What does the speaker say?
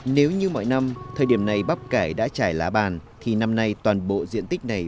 nếu như mọi năm thời điểm này bắp cải đã trải lá bàn thì năm nay toàn bộ diện tích này